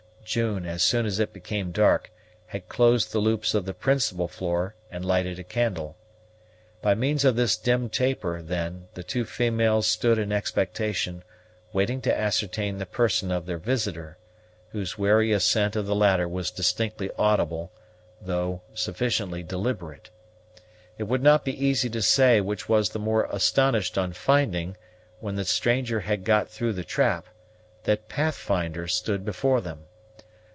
June, as soon as it became dark, had closed the loops of the principal floor, and lighted a candle. By means of this dim taper, then, the two females stood in expectation, waiting to ascertain the person of their visitor, whose wary ascent of the ladder was distinctly audible, though sufficiently deliberate. It would not be easy to say which was the more astonished on finding, when the stranger had got through the trap, that Pathfinder stood before them.